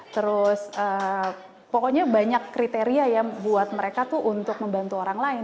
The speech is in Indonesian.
terus pokoknya banyak kriteria ya buat mereka tuh untuk membantu orang lain